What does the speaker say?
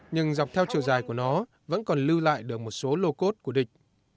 nhưng dọc theo chiều dài của nó vẫn còn lưu lại được một số lô cốt của địch